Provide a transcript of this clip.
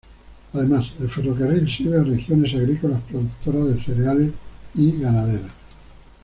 Además, el ferrocarril sirve a regiones agrícolas productora de cereales y ganaderas.